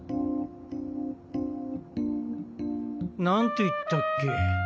何て言ったっけ？